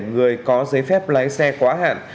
người có giấy phép lái xe quá hạn